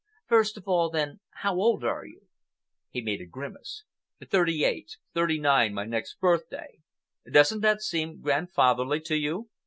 "First of all, then, how old are you?" He made a grimace. "Thirty eight—thirty nine my next birthday. Doesn't that seem grandfatherly to you?"